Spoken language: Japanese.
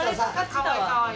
かわいいかわいい。